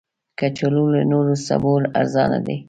کچالو له نورو سبو ارزانه دي